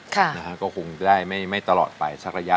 ก็คงได้ไม่ตลอดไปสักระยะ